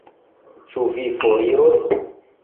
Ĉu vi foriros?